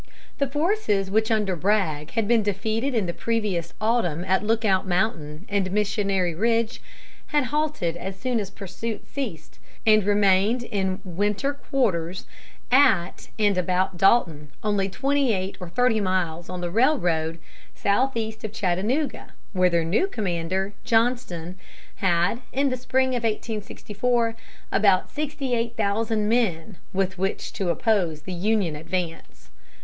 The forces which under Bragg had been defeated in the previous autumn at Lookout Mountain and Missionary Ridge, had halted as soon as pursuit ceased, and remained in winter quarters at and about Dalton, only twenty eight or thirty miles on the railroad southeast of Chattanooga where their new commander, Johnston, had, in the spring of 1864, about sixty eight thousand men with which to oppose the Union advance.